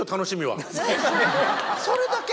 それだけ！